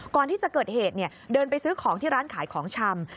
ก่อนที่จะเกิดเหตุเดินไปซื้อของที่ร้านขายของชำ